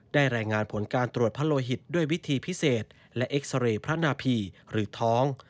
รายงานผลการตรวจพระโลหิตด้วยวิธีพิเศษและเอ็กซาเรย์พระนาพีหรือท้อง